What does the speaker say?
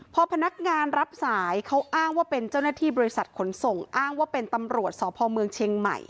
พอพนักงานรับสายเขาอ้างว่าเป็นเจ้าหน้าที่บริษัทขนส่งอ้างว่าเป็นตำรวจสพเมืองเชียงใหม่